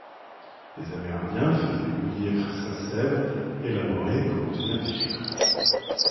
Les Amérindiens faisaient bouillir sa sève élaborée pour obtenir du sucre.